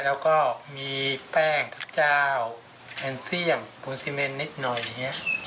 แล้วก็มีแป้งพระเจ้าแอนเซียมภูมิสิเมนท์นิดหน่อย